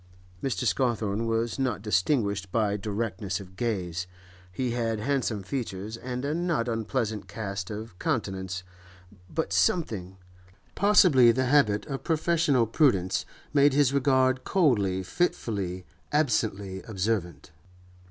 Mr. Scawthorne was not distinguished by directness of gaze. He had handsome features, and a not unpleasant cast of countenance, but something, possibly the habit of professional prudence, made his regard coldly, fitfully, absently observant.